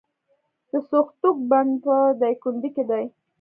د سوختوک بند په دایکنډي کې دی